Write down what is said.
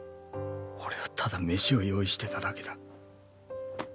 俺はただ飯を用意してただけだ。